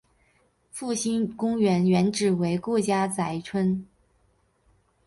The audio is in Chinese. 复兴公园原址为顾家宅村。